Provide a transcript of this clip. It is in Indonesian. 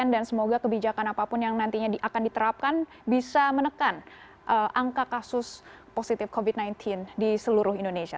dan semoga kebijakan apapun yang nantinya akan diterapkan bisa menekan angka kasus positif covid sembilan belas di seluruh indonesia